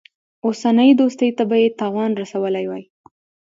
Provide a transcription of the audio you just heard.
اوسنۍ دوستۍ ته به یې تاوان رسولی وای.